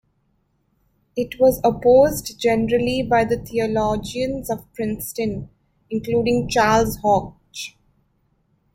It was opposed generally by the theologians of Princeton, including Charles Hodge.